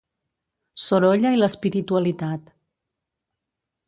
Sorolla i l’espiritualitat.